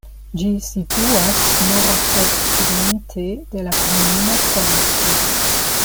Ĝi situas nord-okcidente de la komunuma centro.